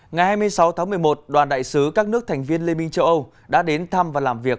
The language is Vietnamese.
ngày hai mươi sáu tháng một mươi một đoàn đại sứ các nước thành viên liên minh châu âu đã đến thăm và làm việc